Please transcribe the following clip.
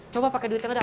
coba pakai duit yang ada